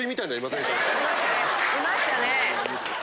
いましたね。